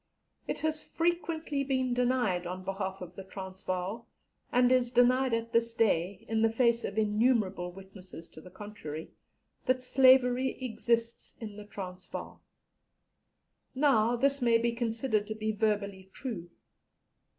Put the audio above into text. It has frequently been denied on behalf of the Transvaal, and is denied at this day, in the face of innumerable witnesses to the contrary, that slavery exists in the Transvaal. Now, this may be considered to be verbally true.